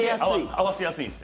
合わせやすいんです。